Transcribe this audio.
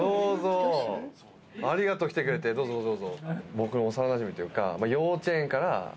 僕の幼なじみというか。